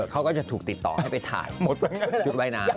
เขาก็จะถูกติดต่อให้ไปถ่ายชุดว่ายน้ำ